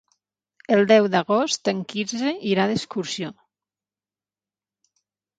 El deu d'agost en Quirze irà d'excursió.